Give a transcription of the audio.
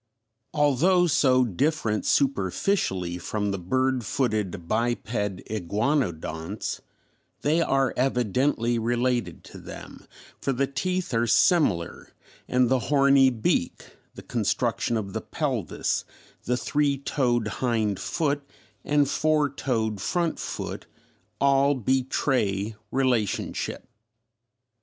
Although so different superficially from the bird footed biped Iguanodonts they are evidently related to them, for the teeth are similar, and the horny beak, the construction of the pelvis, the three toed hind foot and four toed front foot all betray relationship.